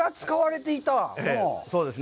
そうです。